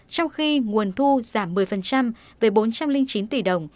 trong khi nguồn thu giảm một mươi về bốn trăm linh chín tỷ đồng